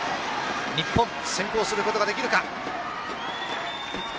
日本先行することができるか。